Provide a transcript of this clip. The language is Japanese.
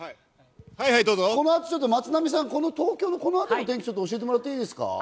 この後、松並さん、この東京の天気、教えてもらっていいですか。